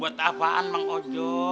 buat apaan bang ojo